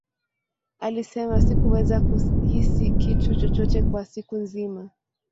Alisema, Sikuweza kuhisi kitu chochote kwa siku nzima.